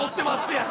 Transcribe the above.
やん